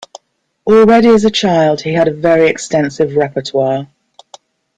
Already as a child he had a very extensive repertoire.